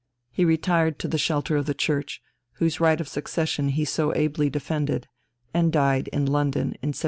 He retired to the shelter of the Church whose right of succession he so ably defended, and died in London in 1776.